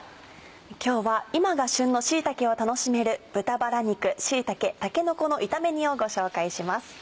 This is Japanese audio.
今日は今が旬の椎茸を楽しめる豚バラ肉椎茸たけのこの炒め煮をご紹介します。